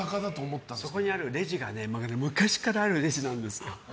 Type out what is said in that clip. そこにあるレジが昔からあるレジなんですよ。